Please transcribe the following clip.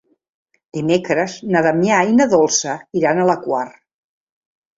Dimecres na Damià i na Dolça iran a la Quar.